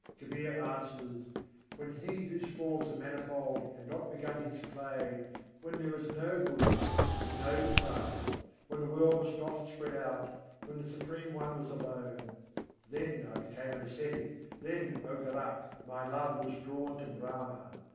Kabîr answers: "When He whose forms are manifold had not begun His play: when there was no Guru, and no disciple: when the world was not spread out: when the Supreme One was alone Then I became an ascetic; then, O Gorakh, my love was drawn to Brahma.